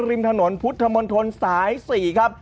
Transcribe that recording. ริมถนนพุทธมนตรสาย๔ครับ